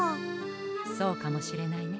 そうかもしれないね。